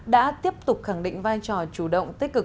đã tiếp tục khẳng định vai trò chủ động tích cực